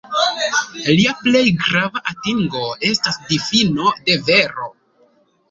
Lia plej grava atingo estas difino de vero.